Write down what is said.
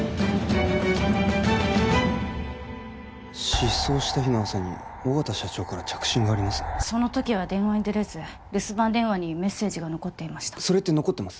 失踪した日の朝に緒方社長から着信がありますねその時は電話に出れず留守番電話にメッセージが残っていましたそれって残ってます？